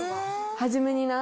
初めにな